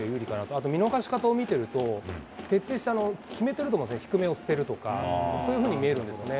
あと見逃し方を見てると、徹底して決めてると思うんですね、低めを捨てるとか、そういうふうに見えるんですよね。